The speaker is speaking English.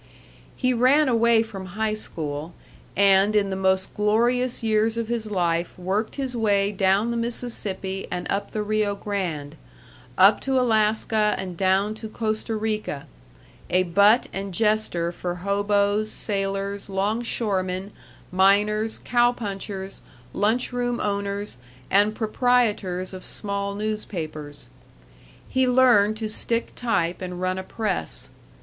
He ran away from high school, and in the most glorious years of his life worked his way down the Mississippi and up the Rio Grande, up to Alaska and down to Costa Rica, a butt and jester for hoboes, sailors, longshoremen, miners, cow punchers, lunch room owners, and proprietors of small newspapers. He learned to stick type and run a press.